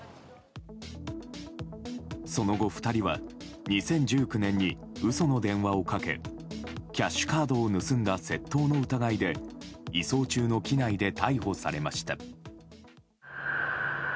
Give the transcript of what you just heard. その後、２人は２０１９年に嘘の電話をかけキャッシュカードを盗んだ窃盗の疑いで移送中の機内で逮捕されました。